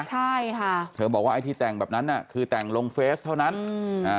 ใช่ค่ะเธอบอกว่าไอ้ที่แต่งแบบนั้นน่ะคือแต่งลงเฟสเท่านั้นอืมอ่า